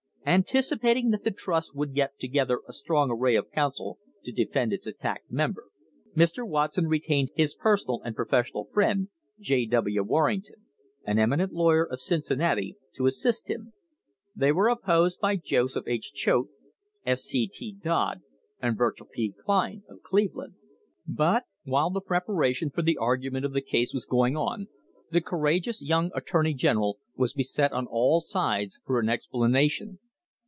Anticipating that the trust would get together a strong array of counsel to defend its attacked member, Mr. Watson re tained his personal and professional friend, John W. War rington, an eminent lawyer of Cincinnati, to assist him. They were opposed by Joseph H. Choate, S. C. T. Dodd and Virgil P. Kline of Cleveland. But, while the preparation for the argument of the case was going on, the courageous young attorney general was beset on all sides for an explanation.